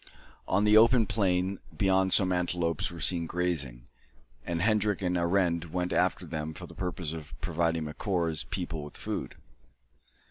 On the open plain beyond some antelopes were seen grazing, and Hendrik and Arend went after them for the purpose of providing Macora's people with food.